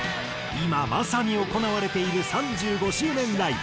今まさに行われている３５周年ライブ。